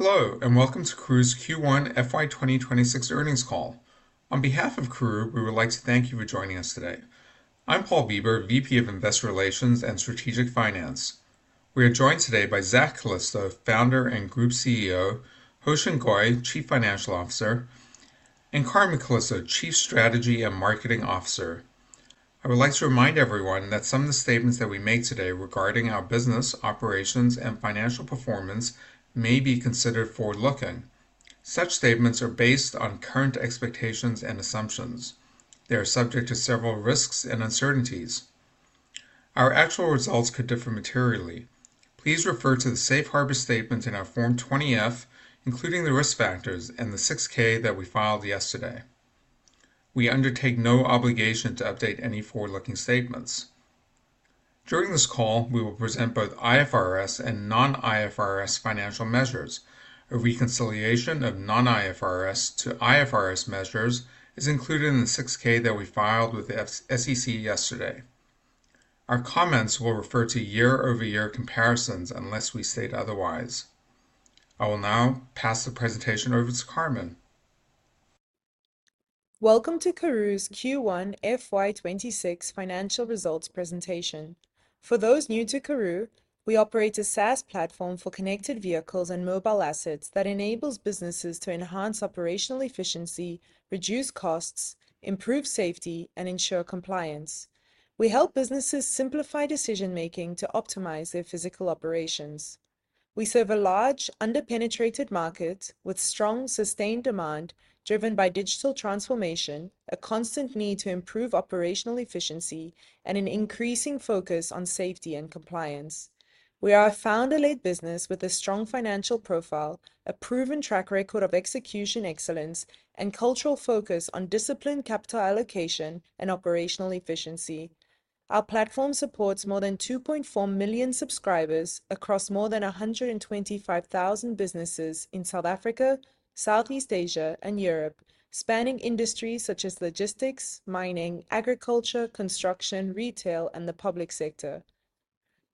Hello and welcome to Karooooo's Q1 FY 2026 Earnings Call. On behalf of Karooooo, we would like to thank you for joining us today. I'm Paul Bieber, Vice President of Investor Relations and Strategic Finance. We are joined today by Mark Calisto, Founder and Group CEO; Hoeshin Goy, Chief Financial Officer; and Carmen Calisto, Chief Strategy and Marketing Officer. I would like to remind everyone that some of the statements that we make today regarding our business operations and financial performance may be considered forward-looking. Such statements are based on current expectations and assumptions. They are subject to several risks and uncertainties. Our actual results could differ materially. Please refer to the Safe Harbor statements in our Form 20-F, including the risk factors and the 6-K that we filed yesterday. We undertake no obligation to update any forward-looking statements. During this call, we will present both IFRS and non-IFRS financial measures. A reconciliation of non-IFRS to IFRS measures is included in the 6-K that we filed with the SEC yesterday. Our comments will refer to year-over-year comparisons unless we state otherwise. I will now pass the presentation over to Carmen. Welcome to Karooooo's Q1 FY2026 financial results presentation. For those new to Karooooo, we operate a SaaS platform for connected vehicles and mobile assets that enables businesses to enhance operational efficiency, reduce costs, improve safety, and ensure compliance. We help businesses simplify decision-making to optimize their physical operations. We serve a large, underpenetrated market with strong, sustained demand driven by digital transformation, a constant need to improve operational efficiency, and an increasing focus on safety and compliance. We are a founder-led business with a strong financial profile, a proven track record of execution excellence, and a cultural focus on disciplined capital allocation and operational efficiency. Our platform supports more than 2.4 million subscribers across more than 125,000 businesses in South Africa, Southeast Asia, and Europe, spanning industries such as logistics, mining, agriculture, construction, retail, and the public sector.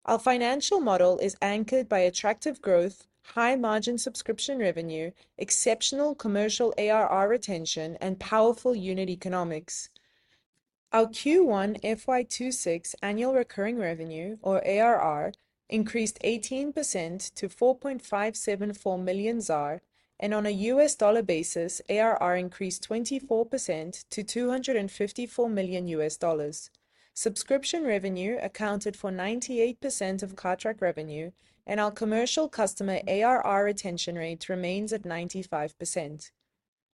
Our financial model is anchored by attractive growth, high margin subscription revenue, exceptional commercial ARR retention, and powerful unit economics. Our Q1 FY2026 annual recurring revenue, or ARR, increased 18% to 4.574 million ZAR, and on a U.S. dollar basis, ARR increased 24% to $254 million. Subscription revenue accounted for 98% of contract revenue, and our commercial customer ARR retention rate remains at 95%.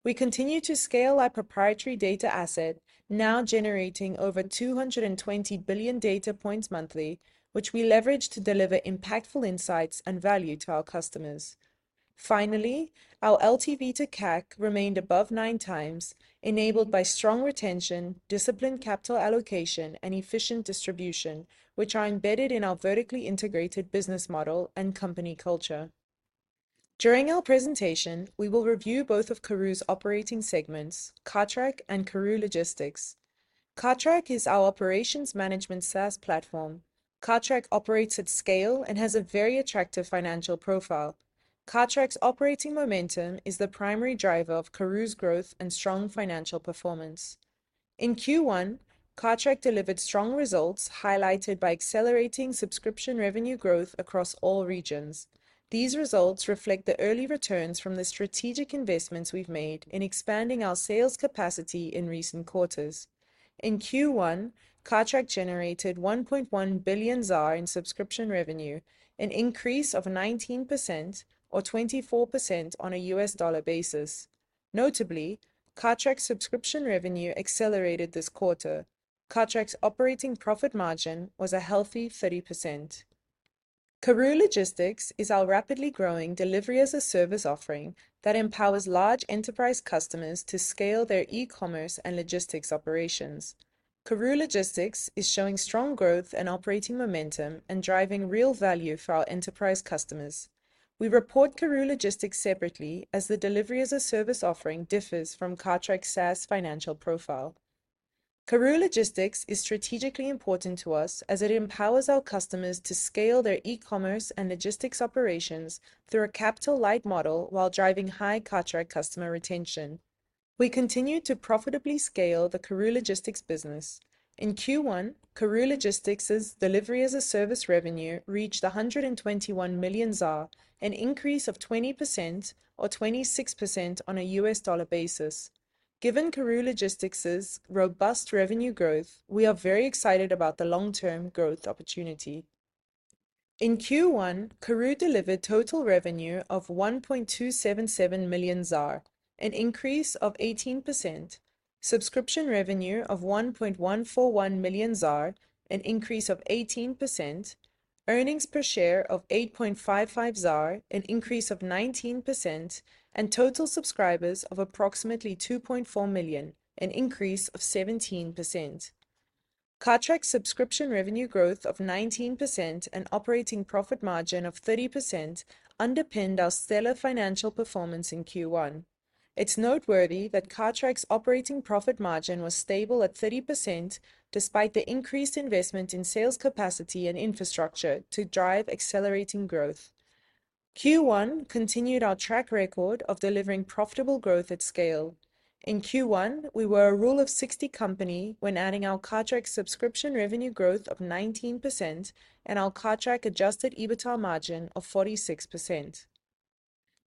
We continue to scale our proprietary data asset, now generating over 220 billion data points monthly, which we leverage to deliver impactful insights and value to our customers. Finally, our LTV to CAC remained above 9x, enabled by strong retention, disciplined capital allocation, and efficient distribution, which are embedded in our vertically integrated business model and company culture. During our presentation, we will review both of Karooooo's operating segments, Cartrack and Karooooo Logistics. Cartrack is our operations management SaaS platform. Cartrack operates at scale and has a very attractive financial profile. Cartrack's operating momentum is the primary driver of Karooooo's growth and strong financial performance. In Q1, Cartrack delivered strong results, highlighted by accelerating subscription revenue growth across all regions. These results reflect the early returns from the strategic investments we've made in expanding our sales capacity in recent quarters. In Q1, Cartrack generated 1.1 billion ZAR in subscription revenue, an increase of 19% or 24% on a U.S. dollar basis. Notably, Cartrack's subscription revenue accelerated this quarter. Cartrack's operating profit margin was a healthy 30%. Karooooo Logistics is our rapidly growing delivery-as-a-service offering that empowers large enterprise customers to scale their e-commerce and logistics operations. Karooooo Logistics is showing strong growth and operating momentum and driving real value for our enterprise customers. We report Karooooo Logistics separately, as the delivery-as-a-service offering differs from Cartrack's SaaS financial profile. Karooooo Logistics is strategically important to us as it empowers our customers to scale their e-commerce and logistics operations through a capital-light model while driving high Cartrack customer retention. We continue to profitably scale the Karooooo Logistics business. In Q1, Karooooo Logistics' delivery-as-a-service revenue reached 121 million ZAR, an increase of 20% or 26% on a U.S. dollar basis. Given Karooooo Logistics' robust revenue growth, we are very excited about the long-term growth opportunity. In Q1, Karooooo delivered total revenue of 1.277 million ZAR, an increase of 18%, subscription revenue of 1.141 million ZAR, an increase of 18%, earnings per share of 8.55 ZAR, an increase of 19%, and total subscribers of approximately 2.4 million, an increase of 17%. Cartrack's subscription revenue growth of 19% and operating profit margin of 30% underpin our stellar financial performance in Q1. It's noteworthy that Cartrack's operating profit margin was stable at 30% despite the increased investment in sales capacity and infrastructure to drive accelerating growth. Q1 continued our track record of delivering profitable growth at scale. In Q1, we were a Rule of 60 company when adding our Cartrack subscription revenue growth of 19% and our Cartrack adjusted EBITDA margin of 46%.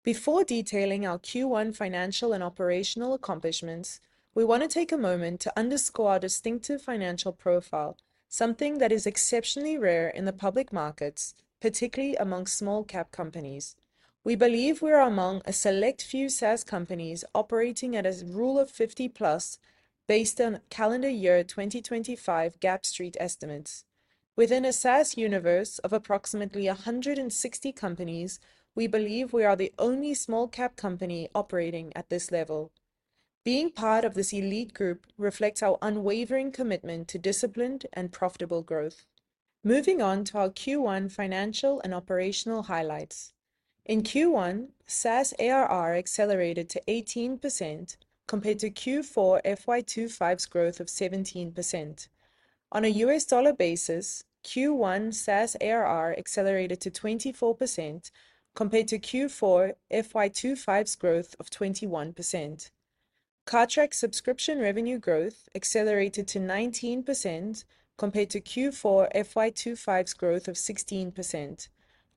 Before detailing our Q1 financial and operational accomplishments, we want to take a moment to underscore our distinctive financial profile, something that is exceptionally rare in the public markets, particularly among small-cap companies. We believe we are among a select few SaaS companies operating at a Rule of 50+ based on calendar year 2025 Gap Street estimates. Within a SaaS universe of approximately 160 companies, we believe we are the only small-cap company operating at this level. Being part of this elite group reflects our unwavering commitment to disciplined and profitable growth. Moving on to our Q1 financial and operational highlights. In Q1, SaaS ARR accelerated to 18% compared to Q4 FY25's growth of 17%. On a U.S. dollar basis, Q1 SaaS ARR accelerated to 24% compared to Q4 FY25's growth of 21%. Cartrack's subscription revenue growth accelerated to 19% compared to Q4 FY25's growth of 16%.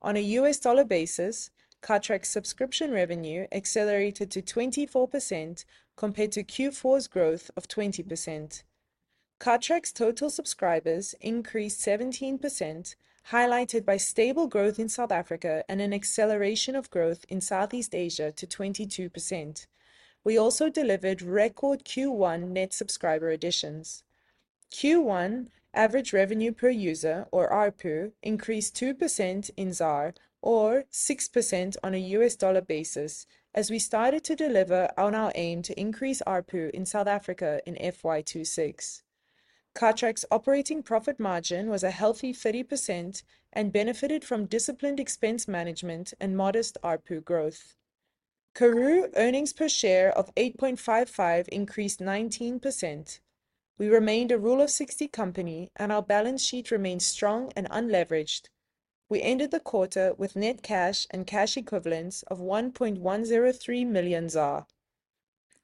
On a U.S. dollar basis, Cartrack's subscription revenue accelerated to 24% compared to Q4's growth of 20%. Cartrack's total subscribers increased 17%, highlighted by stable growth in South Africa and an acceleration of growth in Southeast Asia to 22%. We also delivered record Q1 net subscriber additions. Q1 average revenue per user, or ARPU, increased 2% in ZAR or 6% on a U.S. dollar basis, as we started to deliver on our aim to increase ARPU in South Africa in FY26. Cartrack's operating profit margin was a healthy 30% and benefited from disciplined expense management and modest ARPU growth. Karooooo earnings per share of 8.55 increased 19%. We remained a Rule of 60 company, and our balance sheet remains strong and unleveraged. We ended the quarter with net cash and cash equivalents of 1.103 million ZAR.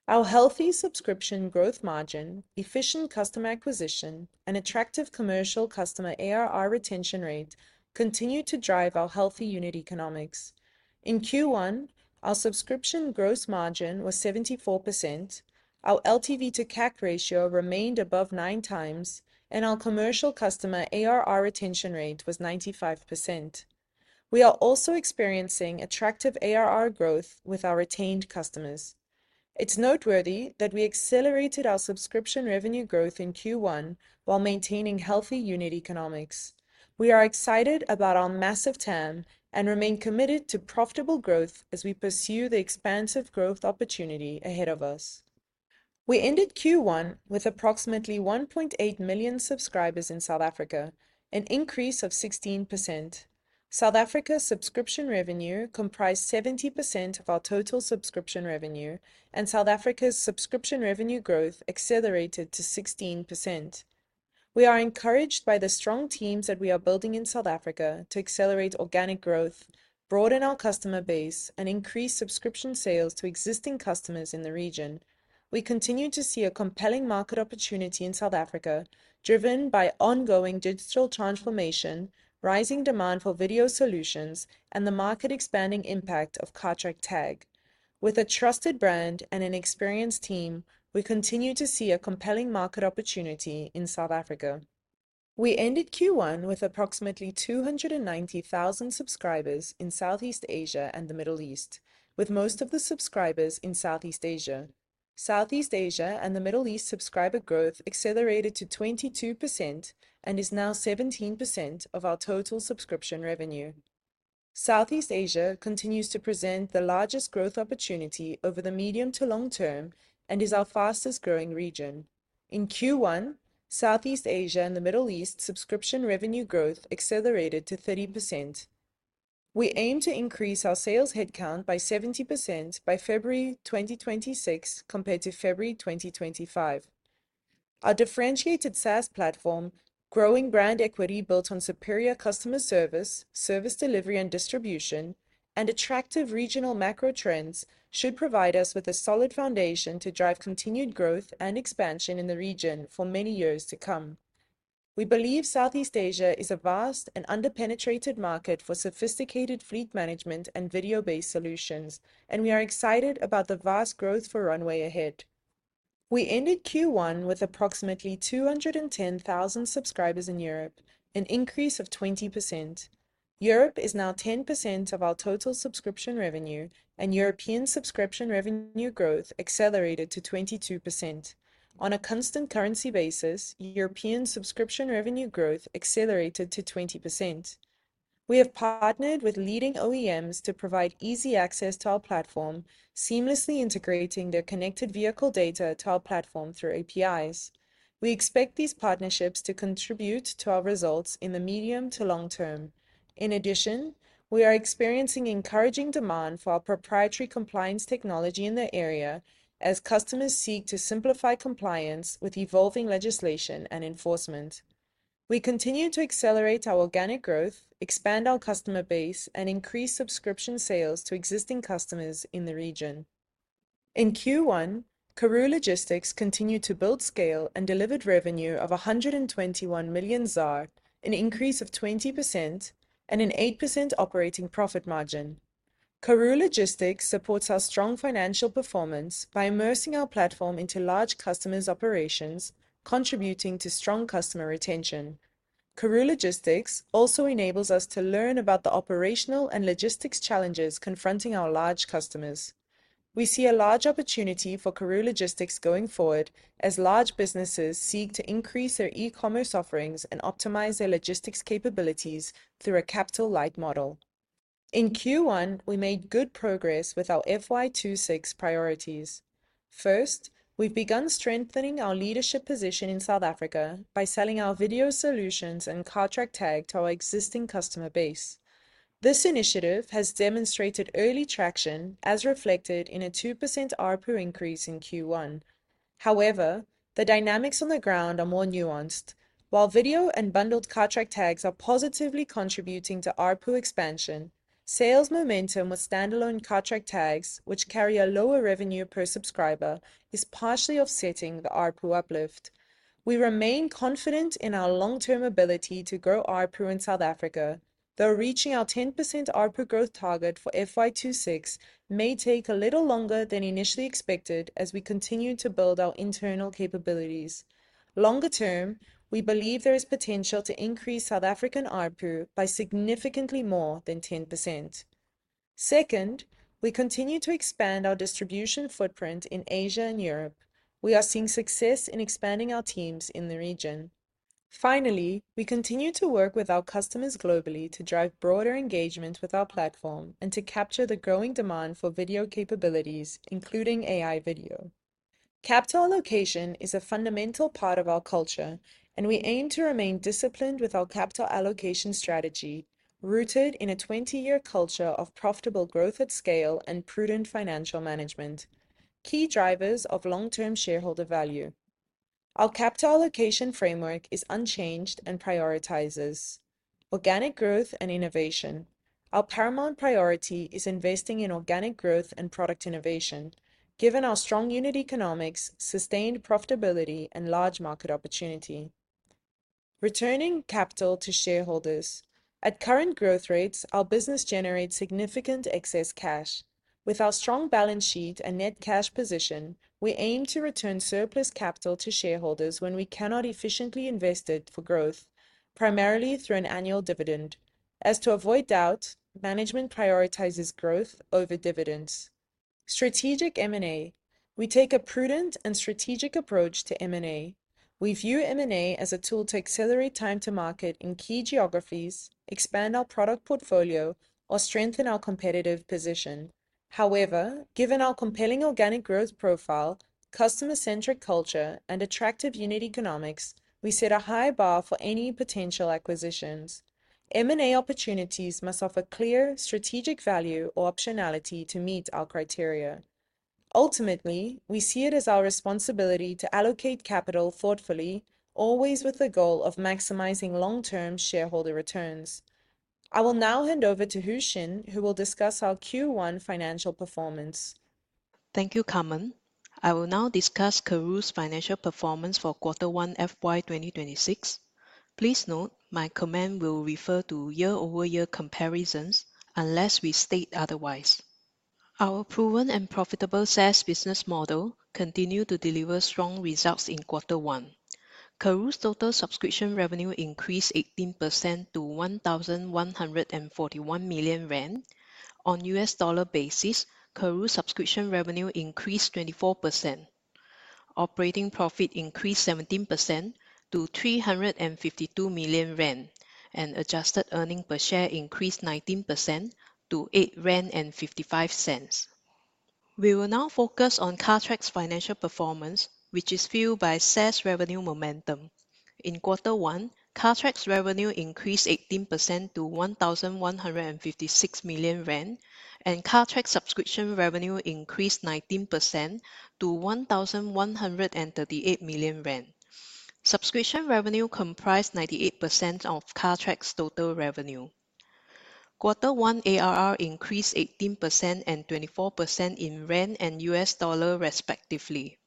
Our healthy subscription growth margin, efficient customer acquisition, and attractive commercial customer ARR retention rate continue to drive our healthy unit economics. In Q1, our subscription gross margin was 74%, our LTV to CAC ratio remained above 9x, and our commercial customer ARR retention rate was 95%. We are also experiencing attractive ARR growth with our retained customers. It's noteworthy that we accelerated our subscription revenue growth in Q1 while maintaining healthy unit economics. We are excited about our massive TAM and remain committed to profitable growth as we pursue the expansive growth opportunity ahead of us. We ended Q1 with approximately 1.8 million subscribers in South Africa, an increase of 16%. South Africa's subscription revenue comprised 70% of our total subscription revenue, and South Africa's subscription revenue growth accelerated to 16%. We are encouraged by the strong teams that we are building in South Africa to accelerate organic growth, broaden our customer base, and increase subscription sales to existing customers in the region. We continue to see a compelling market opportunity in South Africa, driven by ongoing digital transformation, rising demand for video solutions, and the market-expanding impact of Cartrack-Tag. With a trusted brand and an experienced team, we continue to see a compelling market opportunity in South Africa. We ended Q1 with approximately 290,000 subscribers in Southeast Asia and the Middle East, with most of the subscribers in Southeast Asia. Southeast Asia and the Middle East subscriber growth accelerated to 22% and is now 17% of our total subscription revenue. Southeast Asia continues to present the largest growth opportunity over the medium to long term and is our fastest growing region. In Q1, Southeast Asia and the Middle East subscription revenue growth accelerated to 30%. We aim to increase our sales headcount by 70% by February 2026 compared to February 2025. Our differentiated SaaS platform, growing brand equity built on superior customer service, service delivery, and distribution, and attractive regional macro trends should provide us with a solid foundation to drive continued growth and expansion in the region for many years to come. We believe Southeast Asia is a vast and underpenetrated market for sophisticated fleet management and video-based solutions, and we are excited about the vast growth for runway ahead. We ended Q1 with approximately 210,000 subscribers in Europe, an increase of 20%. Europe is now 10% of our total subscription revenue, and European subscription revenue growth accelerated to 22%. On a constant currency basis, European subscription revenue growth accelerated to 20%. We have partnered with leading OEMs to provide easy access to our platform, seamlessly integrating their connected vehicle data to our platform through APIs. We expect these partnerships to contribute to our results in the medium to long term. In addition, we are experiencing encouraging demand for our proprietary compliance technology in the area as customers seek to simplify compliance with evolving legislation and enforcement. We continue to accelerate our organic growth, expand our customer base, and increase subscription sales to existing customers in the region. In Q1, Karooooo Logistics continued to build scale and delivered revenue of 121 million ZAR, an increase of 20%, and an 8% operating profit margin. Karooooo Logistics supports our strong financial performance by immersing our platform into large customers' operations, contributing to strong customer retention. Karooooo Logistics also enables us to learn about the operational and logistics challenges confronting our large customers. We see a large opportunity for Karooooo Logistics going forward as large businesses seek to increase their e-commerce offerings and optimize their logistics capabilities through a capital-light model. In Q1, we made good progress with our FY26 priorities. First, we've begun strengthening our leadership position in South Africa by selling our video solutions and Cartrack-Tag to our existing customer base. This initiative has demonstrated early traction, as reflected in a 2% ARPU increase in Q1. However, the dynamics on the ground are more nuanced. While video and bundled Cartrack-Tags are positively contributing to ARPU expansion, sales momentum with standalone Cartrack-Tags which carry a lower revenue per subscriber, is partially offsetting the ARPU uplift. We remain confident in our long-term ability to grow ARPU in South Africa, though reaching our 10% ARPU growth target for FY26 may take a little longer than initially expected as we continue to build our internal capabilities. Longer term, we believe there is potential to increase South African ARPU by significantly more than 10%. Second, we continue to expand our distribution footprint in Asia and Europe. We are seeing success in expanding our teams in the region. Finally, we continue to work with our customers globally to drive broader engagement with our platform and to capture the growing demand for video capabilities, including AI video. Capital allocation is a fundamental part of our culture, and we aim to remain disciplined with our capital allocation strategy, rooted in a 20-year culture of profitable growth at scale and prudent financial management, key drivers of long-term shareholder value. Our capital allocation framework is unchanged and prioritizes organic growth and innovation. Our paramount priority is investing in organic growth and product innovation, given our strong unit economics, sustained profitability, and large market opportunity. Returning capital to shareholders. At current growth rates, our business generates significant excess cash. With our strong balance sheet and net cash position, we aim to return surplus capital to shareholders when we cannot efficiently invest it for growth, primarily through an annual dividend. As to avoid doubt, management prioritizes growth over dividends. Strategic M&A. We take a prudent and strategic approach to M&A. We view M&A as a tool to accelerate time-to-market in key geographies, expand our product portfolio, or strengthen our competitive position. However, given our compelling organic growth profile, customer-centric culture, and attractive unit economics, we set a high bar for any potential acquisitions. M&A opportunities must offer clear strategic value or optionality to meet our criteria. Ultimately, we see it as our responsibility to allocate capital thoughtfully, always with the goal of maximizing long-term shareholder returns. I will now hand over to Hoeshin, who will discuss our Q1 financial performance. Thank you, Carmen. I will now discuss Karooooo's financial performance for Q1 FY2026. Please note, my comment will refer to year-over-year comparisons unless we state otherwise. Our proven and profitable SaaS business model continues to deliver strong results in Q1. Karooooo's total subscription revenue increased 18% to 1,141 million rand. On a U.S. dollar basis, Karooooo's subscription revenue increased 24%. Operating profit increased 17% to 352 million rand, and adjusted earnings per share increased 19% to 8.55 rand. We will now focus on Cartrack's financial performance, which is fueled by SaaS revenue momentum. In Q1, Cartrack's revenue increased 18% to 1,156 million rand, and Cartrack's subscription revenue increased 19% to 1,138 million rand. Subscription revenue comprised 98% of Cartrack's total revenue. Q1 ARR increased 18% and 24% in ZAR and U.S. dollars, respectively.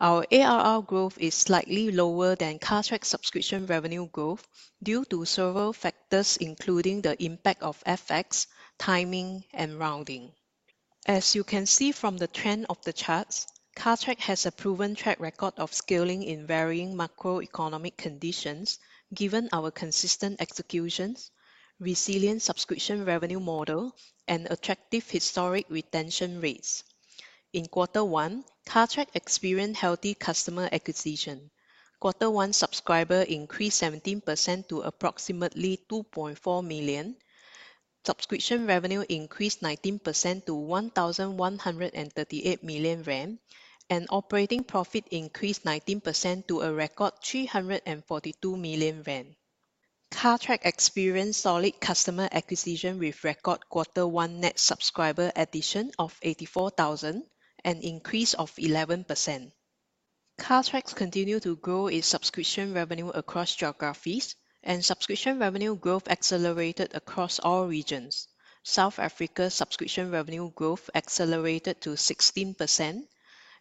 Our ARR growth is slightly lower than Cartrack's subscription revenue growth due to several factors, including the impact of FX, timing, and rounding. As you can see from the trend of the charts, Cartrack has a proven track record of scaling in varying macroeconomic conditions, given our consistent executions, resilient subscription revenue model, and attractive historic retention rates. In Q1, Cartrack experienced healthy customer acquisition. Q1 subscriber increased 17% to approximately 2.4 million. Subscription revenue increased 19% to 1,138 million rand, and operating profit increased 19% to a record 342 million rand. Cartrack experienced solid customer acquisition with record Q1 net subscriber addition of 84,000, an increase of 11%. Cartrack continues to grow in subscription revenue across geographies, and subscription revenue growth accelerated across all regions. South Africa's subscription revenue growth accelerated to 16%.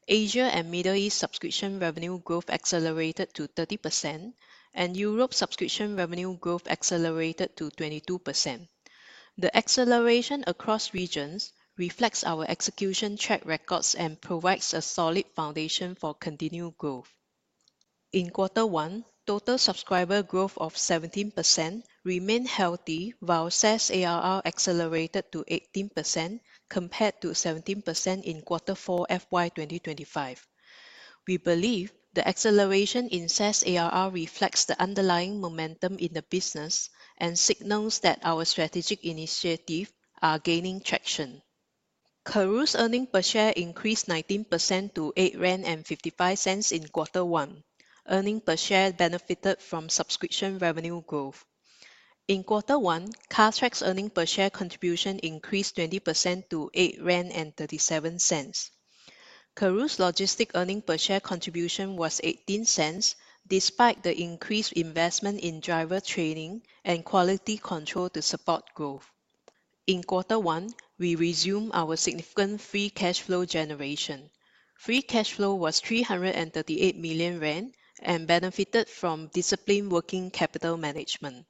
Asia and Middle East subscription revenue growth accelerated to 30%, and Europe's subscription revenue growth accelerated to 22%. The acceleration across regions reflects our execution track records and provides a solid foundation for continued growth. In Q1, total subscriber growth of 17% remained healthy, while SaaS ARR accelerated to 18% compared to 17% in Q4 FY2025. We believe the acceleration in SaaS ARR reflects the underlying momentum in the business and signals that our strategic initiatives are gaining traction. Karooooo's earnings per share increased 19% to 8.55 rand in Q1. Earnings per share benefited from subscription revenue growth. In Q1, Cartrack's earnings per share contribution increased 20% to 8.37 rand. Karooooo's Logistic earnings per share contribution was 18%, despite the increased investment in driver training and quality control to support growth. In Q1, we resumed our significant free cash flow generation. Free cash flow was 338 million rand and benefited from disciplined working capital management.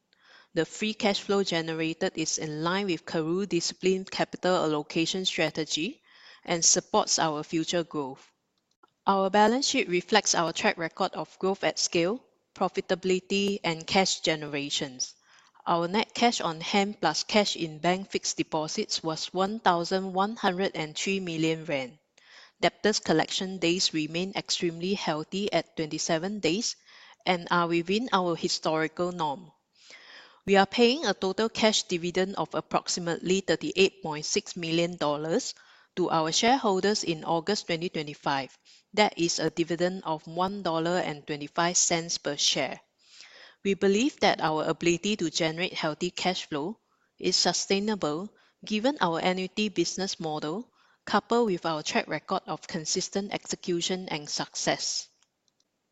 The free cash flow generated is in line with Karooooo disciplined capital allocation strategy and supports our future growth. Our balance sheet reflects our track record of growth at scale, profitability, and cash generation. Our net cash on hand plus cash in bank fixed deposits was 1,103 million rand. Debtors' collection days remain extremely healthy at 27 days and are within our historical norm. We are paying a total cash dividend of approximately $38.6 million to our shareholders in August 2025. That is a dividend of $1.25 per share. We believe that our ability to generate healthy cash flow is sustainable, given our annuity business model, coupled with our track record of consistent execution and success.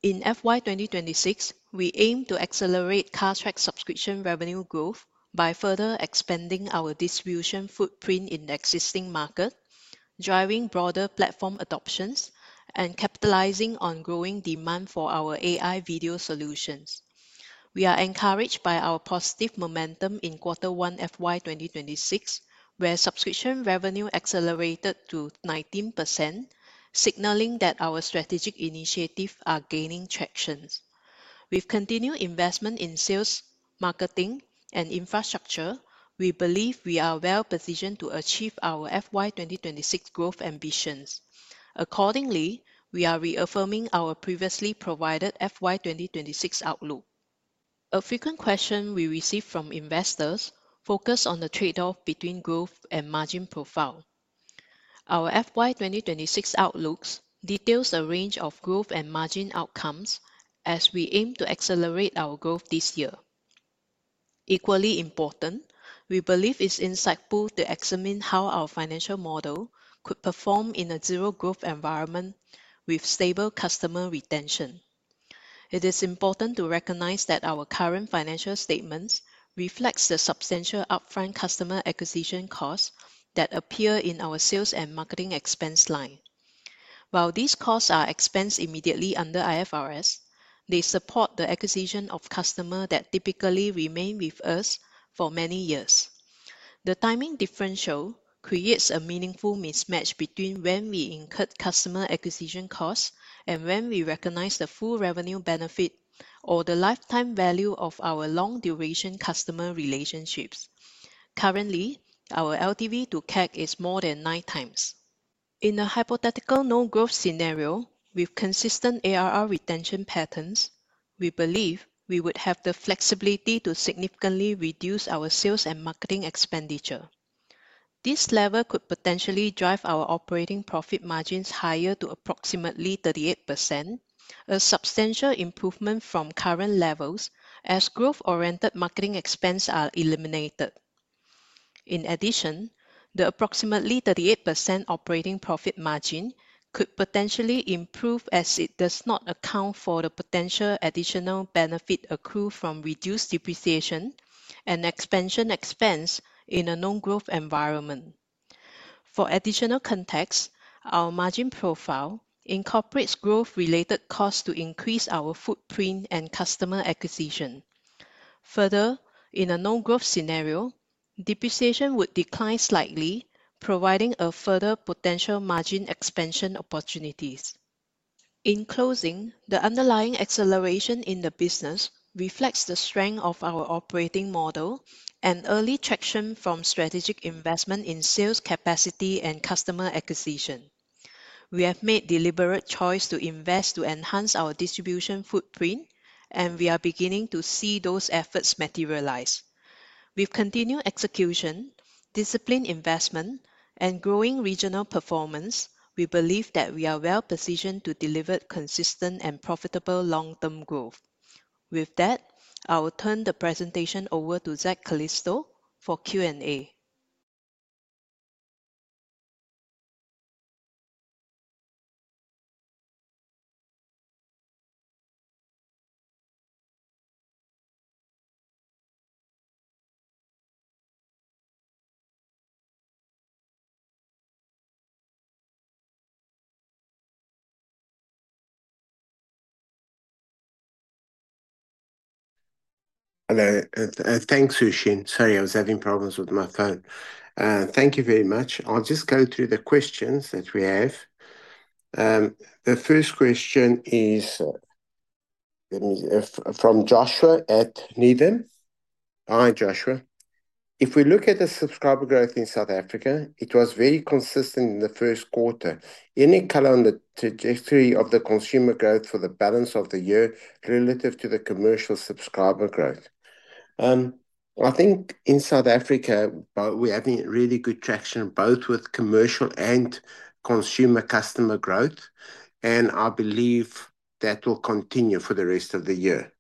In FY2026, we aim to accelerate Cartrack's subscription revenue growth by further expanding our distribution footprint in the existing market, driving broader platform adoption, and capitalizing on growing demand for our AI video solutions. We are encouraged by our positive momentum in Q1 FY2026, where subscription revenue accelerated to 19%, signaling that our strategic initiatives are gaining traction. With continued investment in sales, marketing, and infrastructure, we believe we are well positioned to achieve our FY2026 growth ambitions. Accordingly, we are reaffirming our previously provided FY2026 outlook. A frequent question we receive from investors focuses on the trade-off between growth and margin profile. Our FY2026 outlook details a range of growth and margin outcomes, as we aim to accelerate our growth this year. Equally important, we believe it's insightful to examine how our financial model could perform in a zero-growth environment with stable customer retention. It is important to recognize that our current financial statements reflect the substantial upfront customer acquisition costs that appear in our sales and marketing expense line. While these costs are expensed immediately under IFRS, they support the acquisition of customers that typically remain with us for many years. The timing differential creates a meaningful mismatch between when we incur customer acquisition costs and when we recognize the full revenue benefit or the lifetime value of our long-duration customer relationships. Currently, our LTV to CAC is more than 9x. In a hypothetical no-growth scenario, with consistent ARR retention patterns, we believe we would have the flexibility to significantly reduce our sales and marketing expenditure. This level could potentially drive our operating profit margins higher to approximately 38%, a substantial improvement from current levels, as growth-oriented marketing expense is eliminated. In addition, the approximately 38% operating profit margin could potentially improve as it does not account for the potential additional benefit accrued from reduced depreciation and expansion expense in a no-growth environment. For additional context, our margin profile incorporates growth-related costs to increase our footprint and customer acquisition. Further, in a no-growth scenario, depreciation would decline slightly, providing a further potential margin expansion opportunity. In closing, the underlying acceleration in the business reflects the strength of our operating model and early traction from strategic investment in sales capacity and customer acquisition. We have made a deliberate choice to invest to enhance our distribution footprint, and we are beginning to see those efforts materialize. With continued execution, disciplined investment, and growing regional performance, we believe that we are well positioned to deliver consistent and profitable long-term growth. With that, I will turn the presentation over to Mark Calisto for Q&A. Hello, thanks Hoeshin. Sorry, I was having problems with my phone. Thank you very much. I'll just go through the questions that we have. The first question is from Joshua at Niven. Hi Joshua. If we look at the subscriber growth in South Africa, it was very consistent in the first quarter. Any calendar trajectory of the consumer growth for the balance of the year relative to the commercial subscriber growth? I think in South Africa, we're having really good traction both with commercial and consumer customer growth, and I believe that will continue for the rest of the year.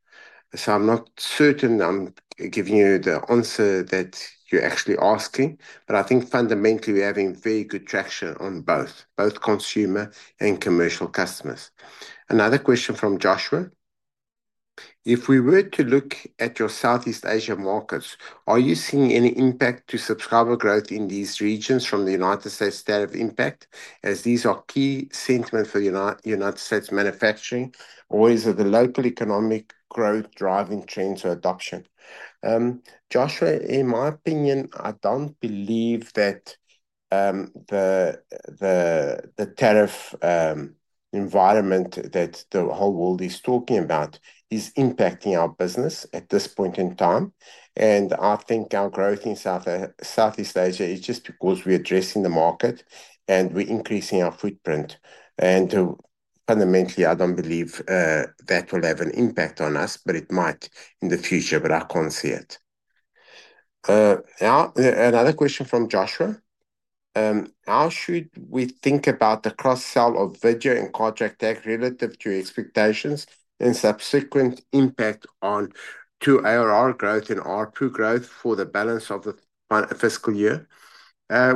I'm not certain I'm giving you the answer that you're actually asking, but I think fundamentally we're having very good traction on both, both consumer and commercial customers. Another question from Joshua. If we were to look at your Southeast Asia markets, are you seeing any impact to subscriber growth in these regions from the U.S. data of impact, as these are key sentiments for the U.S. manufacturing, or is it the local economic growth driving trends or adoption? Joshua, in my opinion, I don't believe that the tariff environment that the whole world is talking about is impacting our business at this point in time, and I think our growth in Southeast Asia is just because we're addressing the market and we're increasing our footprint. Fundamentally, I don't believe that will have an impact on us, but it might in the future, but I can't see it. Another question from Joshua. How should we think about the cross-sell of and Cartrack-Tag relative to expectations and subsequent impact on ARR growth and ARPU growth for the balance of the fiscal year?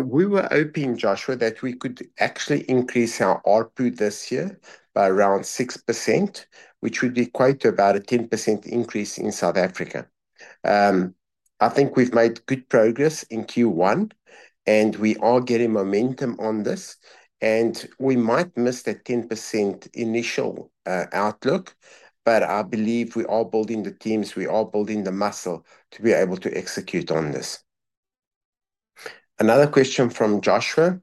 We were hoping, Joshua, that we could actually increase our ARPU this year by around 6%, which would equate to about a 10% increase in South Africa. I think we've made good progress in Q1, and we are getting momentum on this, and we might miss that 10% initial outlook, but I believe we are building the teams, we are building the muscle to be able to execute on this. Another question from Joshua.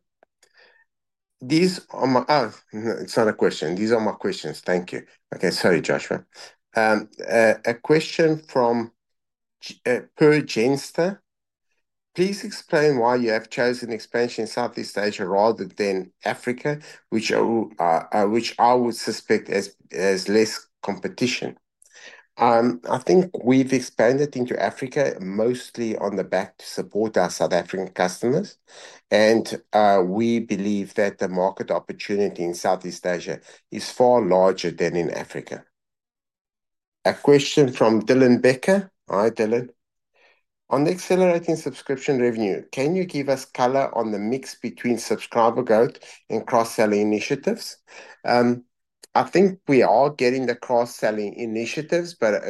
These are my, oh, no, it's not a question. These are my questions. Thank you. Okay, sorry, Joshua. A question from Perugensa. Please explain why you have chosen expansion in Southeast Asia rather than Africa, which I would suspect has less competition. I think we've expanded into Africa mostly on the back to support our South African customers, and we believe that the market opportunity in Southeast Asia is far larger than in Africa. A question from Dylan Becker. Hi Dylan. On the accelerating subscription revenue, can you give us color on the mix between subscriber growth and cross-selling initiatives? I think we are getting the cross-selling initiatives, but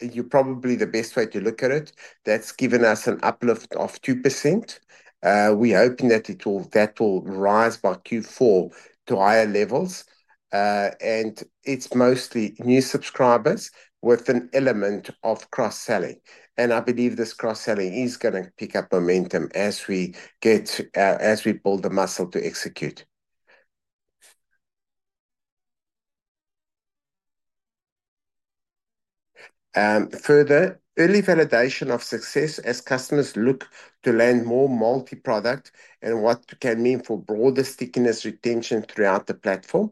you're probably the best way to look at it. That's given us an uplift of 2%. We're hoping that that will rise by Q4 to higher levels, and it's mostly new subscribers with an element of cross-selling. I believe this cross-selling is going to pick up momentum as we build the muscle to execute. Further, early validation of success as customers look to land more multi-product and what it can mean for broader stickiness retention throughout the platform.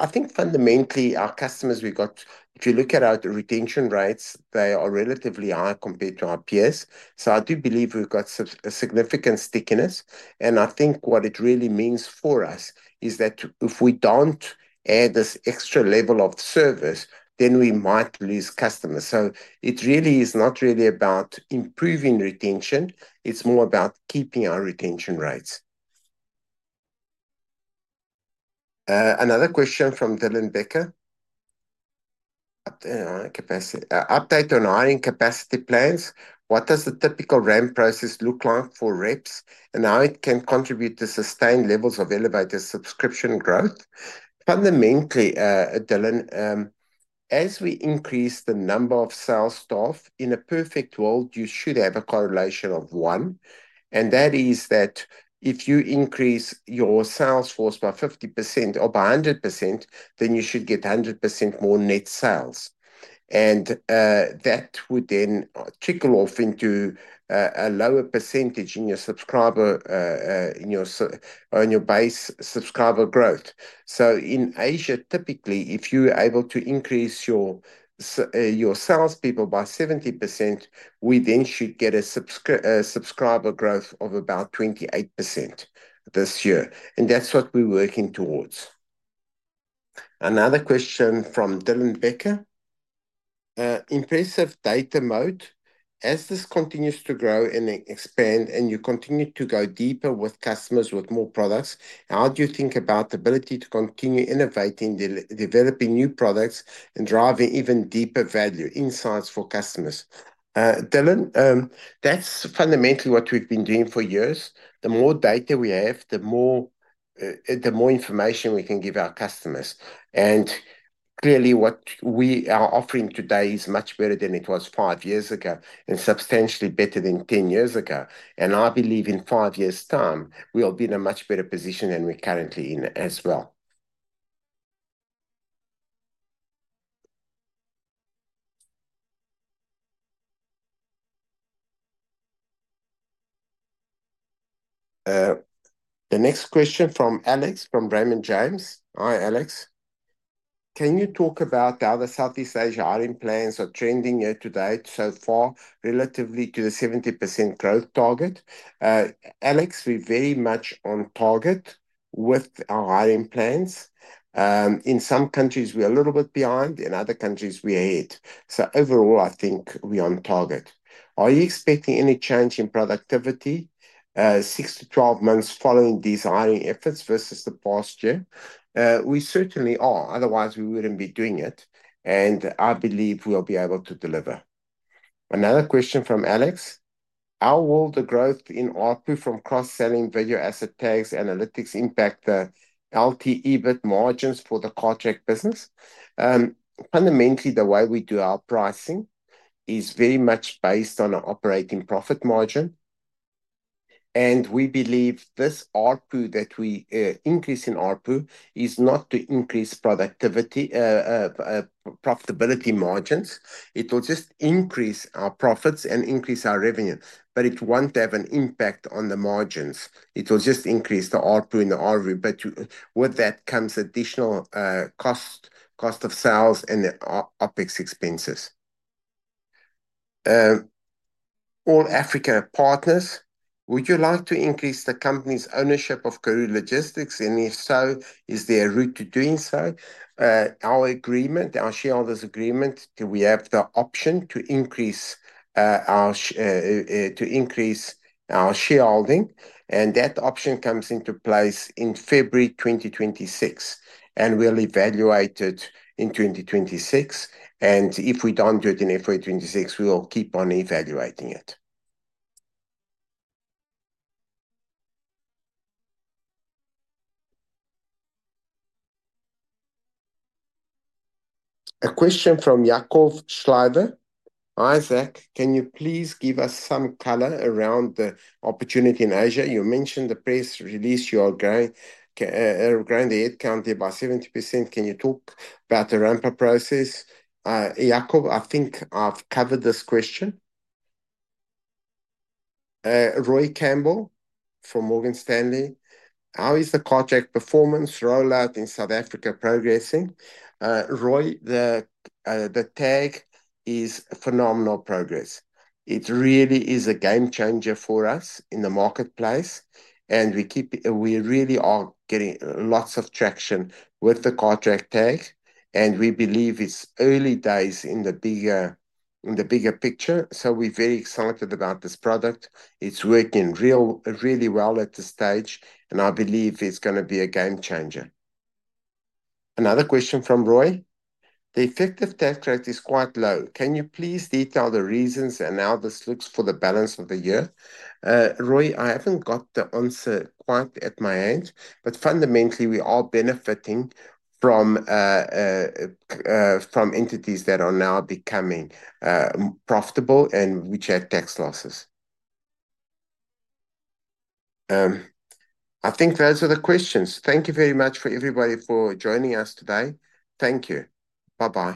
I think fundamentally our customers, we've got, if you look at our retention rates, they are relatively high compared to our peers. I do believe we've got a significant stickiness, and I think what it really means for us is that if we don't add this extra level of service, then we might lose customers. It really is not really about improving retention. It's more about keeping our retention rates. Another question from Dylan Becker. Update on hiring capacity plans. What does the typical ramp process look like for reps and how it can contribute to sustained levels of elevated subscription growth? Fundamentally, Dylan, as we increase the number of sales staff, in a perfect world, you should have a correlation of one. That is that if you increase your sales force by 50% or by 100%, then you should get 100% more net sales. That would then trickle off into a lower percentage in your base subscriber growth. In Asia, typically, if you're able to increase your salespeople by 70%, we then should get a subscriber growth of about 28% this year. That's what we're working towards. Another question from Dylan Becker. Impressive data moat. As this continues to grow and expand, and you continue to go deeper with customers with more products, how do you think about the ability to continue innovating, developing new products, and driving even deeper value insights for customers? Dylan, that's fundamentally what we've been doing for years. The more data we have, the more information we can give our customers. Clearly, what we are offering today is much better than it was five years ago and substantially better than 10 years ago. I believe in five years' time, we'll be in a much better position than we're currently in as well. The next question from Alex from Bramingham. Hi Alex. Can you talk about the other Southeast Asia hiring plans or trending year to date so far relative to the 70% growth target? Alex, we're very much on target with our hiring plans. In some countries, we're a little bit behind. In other countries, we're ahead. Overall, I think we're on target. Are you expecting any change in productivity 6 to 12 months following these hiring efforts versus the past year? We certainly are. Otherwise, we wouldn't be doing it. I believe we'll be able to deliver. Another question from Alex. How will the growth in ARPU from cross-selling video, asset tags, analytics impact the [healthy] EBIT margins for the Cartrack business? Fundamentally, the way we do our pricing is very much based on our operating profit margin. We believe this ARPU, that we increase in ARPU, is not to increase profitability margins. It will just increase our profits and increase our revenue, but it won't have an impact on the margins. It will just increase the ARPU in the ARR. With that comes additional cost, cost of sales, and OpEx expenses. All Africa partners, would you like to increase the company's ownership of Karooooo Logistics? If so, is there a route to doing so? Our agreement, our shareholders' agreement, we have the option to increase our shareholding. That option comes into place in February 2026. We'll evaluate it in 2026. If we don't do it in February 2026, we will keep on evaluating it. A question from Yakov Schliefer. Zak, can you please give us some color around the opportunity in Asia? You mentioned in the press release you are going to headcount by 70%. Can you talk about the ramp-up process? Yakov, I think I've covered this question. Roy Campbell from Morgan Stanley. How is the Cartrack performance rollout in South Africa progressing? Roy, the tag is phenomenal progress. It really is a game changer for us in the marketplace. We really are getting lots of traction with the Cartrack-Tag We believe it's early days in the bigger picture. We're very excited about this product. It's working really well at this stage. I believe it's going to be a game changer. Another question from Roy. The effective tax rate is quite low. Can you please detail the reasons and how this looks for the balance of the year? Roy, I haven't got the answer quite at my end. Fundamentally, we are benefiting from entities that are now becoming profitable and which have tax losses. I think those are the questions. Thank you very much for everybody for joining us today. Thank you. Bye-bye.